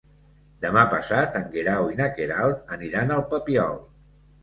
Demà passat en Guerau i na Queralt aniran al Papiol.